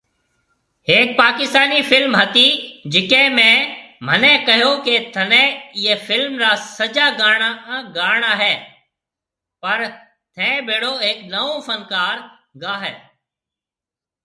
هيڪ پاڪستاني فلم هتي جڪي ۾منهي ڪهيو ڪي تني ايئي فلم را سجا گانا گاڻا هي پر ٿين ڀيڙو هيڪ نوئون فنڪار گاۿي